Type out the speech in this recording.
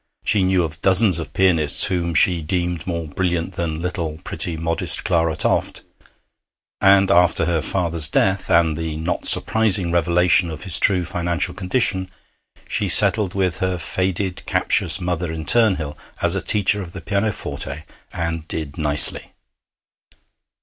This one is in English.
She knew of dozens of pianists whom she deemed more brilliant than little, pretty, modest Clara Toft; and after her father's death and the not surprising revelation of his true financial condition, she settled with her faded, captious mother in Turnhill as a teacher of the pianoforte, and did nicely.